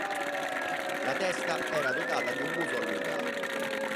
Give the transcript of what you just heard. La testa era dotata di un muso allungato.